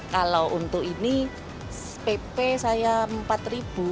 kalau untuk ini pp saya rp empat